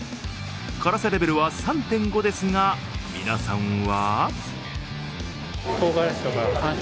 辛さレベルは３．５ですが皆さんは？